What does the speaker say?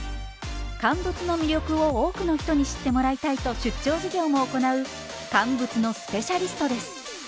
乾物の魅力を多くの人に知ってもらいたいと出張授業も行う乾物のスペシャリストです。